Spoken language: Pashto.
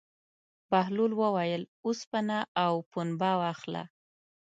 بهلول وویل: اوسپنه او پنبه واخله.